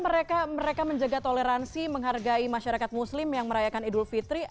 mereka menjaga toleransi menghargai masyarakat muslim yang merayakan idul fitri